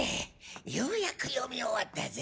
ようやく読み終わったぜ。